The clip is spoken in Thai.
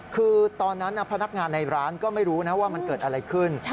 คือตอนนั้นพนักงานในร้านก็ไม่รู้นะว่ามันเกิดอะไรขึ้น